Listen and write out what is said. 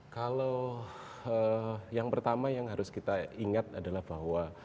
kalau yang pertama yang harus kita ingat adalah bahwa